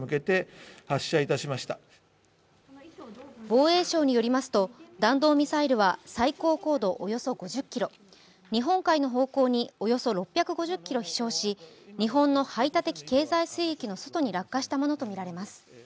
防衛省によりますと弾道ミサイルは最高高度およそ５０ｋｍ日本海の方向におよそ６５０ｋｍ飛翔し日本の排他的経済水域の外に落下したものとみられます。